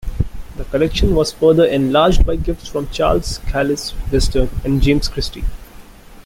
The collection was further enlarged by gifts from Charles Callis Western and James Christie.